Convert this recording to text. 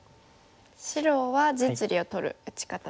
白は実利を取る打ち方ですよね。